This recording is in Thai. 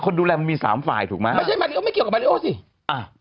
ดูแลมันมีสามฝ่ายถูกไหมไม่ใช่มาริโอไม่เกี่ยวกับมาริโอสิอ่า